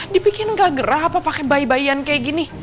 dibikin gak gerah apa pake bayi bayian kayak gini